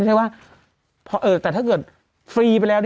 แต่ถ้าเกิดฟรีไปแล้ว